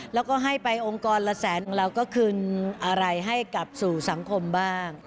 แล้วก็ให้ไปองค์กรละแสนของเราก็คืนอะไรให้กลับสู่สังคมบ้าง